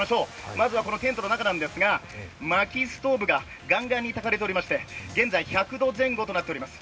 まずはテントの中なんですがまきストーブがガンガンにされてまして現在１００度前後となっています。